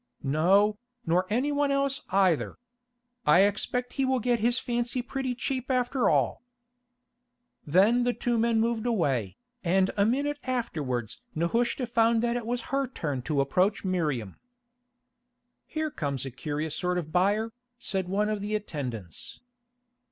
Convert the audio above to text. "No, nor anyone else either. I expect he will get his fancy pretty cheap after all." Then the two men moved away, and a minute afterwards Nehushta found that it was her turn to approach Miriam. "Here comes a curious sort of buyer," said one of the attendants.